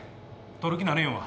撮る気なれへんわ。